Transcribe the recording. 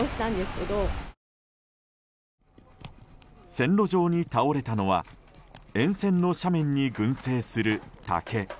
線路上に倒れたのは沿線の斜面に群生する竹。